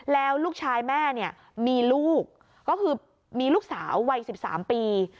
แล้วลูกชายแม่เนี่ยมีลูกก็คือมีลูกสาววัย๑๓ปี